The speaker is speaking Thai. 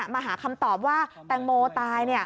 มาหาคำตอบว่าแตงโมตาย